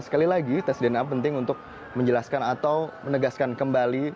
sekali lagi tes dna penting untuk menjelaskan atau menegaskan kembali